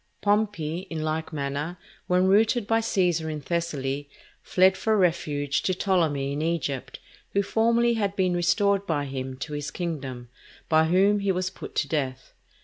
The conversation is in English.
Pompey, in like manner, when routed by Cæsar in Thessaly, fled for refuge to Ptolemy in Egypt, who formerly had been restored by him to his kingdom; by whom he was put to death.